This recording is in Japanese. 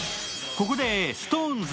ここでＳｉｘＴＯＮＥＳ